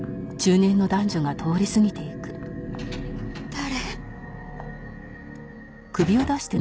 誰？